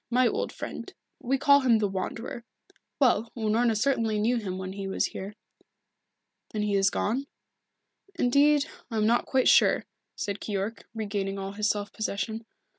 My old friend. We call him the Wanderer. Well, Unorna certainly knew him when he was here." "Then he is gone?" "Indeed, I am not quite sure," said Keyork, regaining all his self possession.